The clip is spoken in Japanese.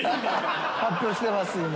発表してます今。